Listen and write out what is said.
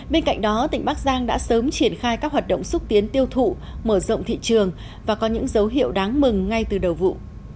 bên cạnh đó tỉnh bắc giang đã sớm triển khai các hoạt động xúc tiến tiêu thụ mở rộng thị trường và có những dấu hiệu đáng mừng ngay từ đầu vụ